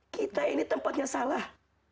kita ini tempatnya salah